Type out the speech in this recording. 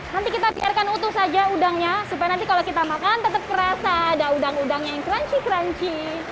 nanti kita biarkan utuh saja udangnya supaya nanti kalau kita makan tetap kerasa ada udang udangnya yang crunchy crunchy